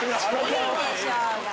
いいでしょうが。